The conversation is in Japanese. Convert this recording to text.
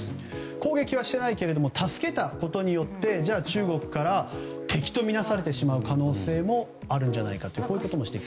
攻撃はしていないけれども助けたことによって中国から敵とみなされてしまう可能性もあるんじゃないかと。